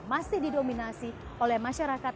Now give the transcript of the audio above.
masih didominasi oleh masyarakat